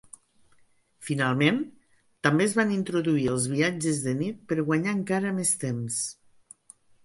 Finalment, també es van introduir els viatges de nit per guanyar encara més temps.